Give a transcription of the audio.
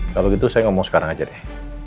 kalau gitu saya ngomong sekarang aja deh